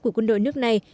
của quân đội nước này